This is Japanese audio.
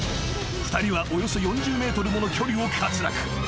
［２人はおよそ４０ｍもの距離を滑落］